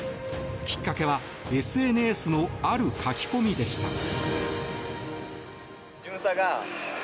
きっかけはＳＮＳのある書き込みでした。